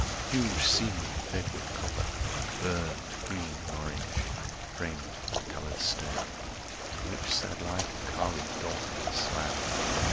Huge sea wood fed with copper Burned green and orange, framed by the coloured stone, In which sad light a carvèd dolphin swam.